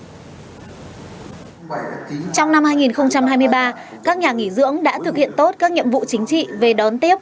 trong năm hai nghìn hai mươi ba các nhà nghỉ dưỡng đã thực hiện tốt các nhiệm vụ chính trị về đón tiếp